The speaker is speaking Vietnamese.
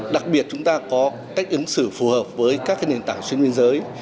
đặc biệt chúng ta có cách ứng xử phù hợp với các nền tảng xuyên biên giới